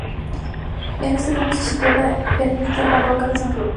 En este pueblo se sitúa la ermita barroca de San Roque.